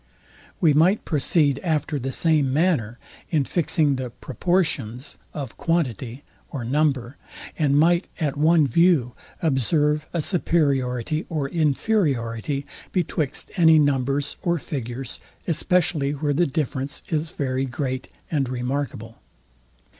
We might proceed, after the same manner, in fixing the proportions of quantity or number, and might at one view observe a superiority or inferiority betwixt any numbers, or figures; especially where the difference is very great and remarkable.